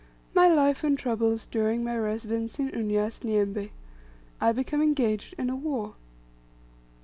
MY LIFE AND TROUBLES DURING MY RESIDENCE IN UNYAS NYEMBE. I BECOME ENGAGED IN A WAR.